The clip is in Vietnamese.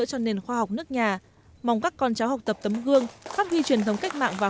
cho nền khoa học nước nhà mong các con cháu học tập tấm gương phát huy truyền thống cách mạng và